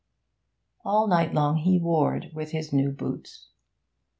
All night long he warred with his new boots.